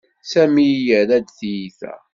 Sami yerra-d tiyita.